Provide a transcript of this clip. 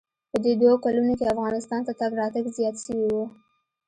په دې دوو کلونو کښې افغانستان ته تگ راتگ زيات سوى و.